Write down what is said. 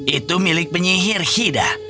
itu milik penyihir hida